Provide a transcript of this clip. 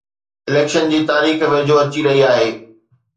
election جي تاريخ ويجهو اچي رهي آهي